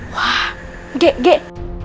wah gek gek